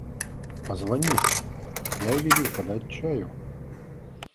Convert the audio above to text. Позвони, я велю подать чаю.